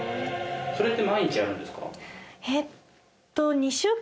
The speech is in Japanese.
それって毎日やるんですか？